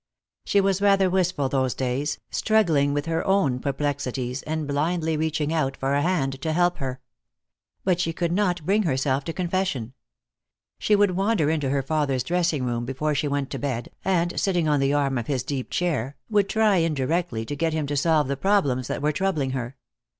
She was rather wistful those days, struggling with her own perplexities, and blindly reaching out for a hand to help her. But she could not bring herself to confession. She would wander into her father's dressing room before she went to bed, and, sitting on the arm of his deep chair, would try indirectly to get him to solve the problems that were troubling her.